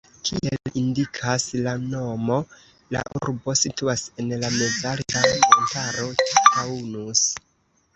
Kiel indikas la nomo, la urbo situas en la mezalta montaro Taunus.